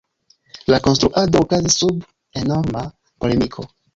La konstruado okazis sub enorma polemiko.